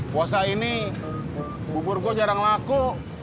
puasa ini bubur gue jarang laku